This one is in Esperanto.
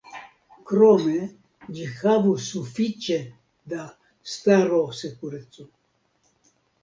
Krome ĝi havu sufiĉe da starosekureco.